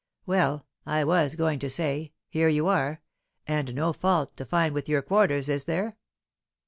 Well, I was going to say, here you are, and no fault to find with your quarters, is there?